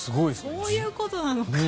そういうことなのか。